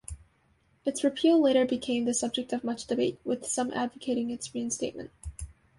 Its repeal later became the subject of much debate, with some advocating its reinstatement.